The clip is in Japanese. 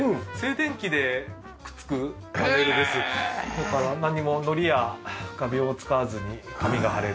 だからなんにものりや画びょうを使わずに紙が貼れる。